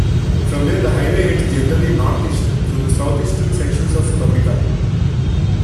From there, the highway heads generally northeast through the southeastern sections of Topeka.